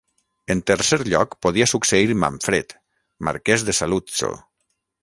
En tercer lloc podia succeir Manfred, marquès de Saluzzo.